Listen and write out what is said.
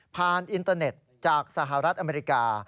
อินเตอร์เน็ตจากสหรัฐอเมริกา